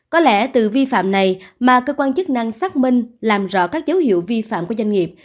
có lẽ từ vi phạm này mà cơ quan chức năng xác minh làm rõ các dấu hiệu vi phạm của doanh nghiệp